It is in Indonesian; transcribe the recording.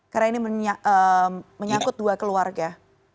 karena ini menyangkut dua keluarga